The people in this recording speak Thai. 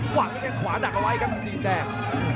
หวังให้กันขวาดักเอาไว้ครับสีแดง